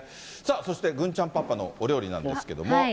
そして郡ちゃんパパのお料理なんですけど。